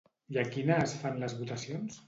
I a quina es fan les votacions?